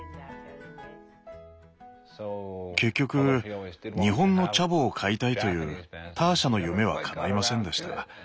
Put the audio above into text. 結局日本のチャボを飼いたいというターシャの夢はかないませんでした。